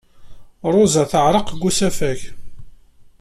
Ṛuza teɛreq deg usafag.